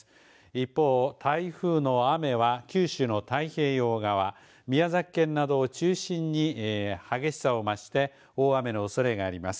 一方、台風の雨は九州の太平洋側、宮崎県などを中心に激しさを増して大雨のおそれがあります。